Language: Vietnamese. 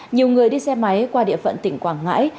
nhiều người đi xe máy qua địa phận tỉnh quảng ngãi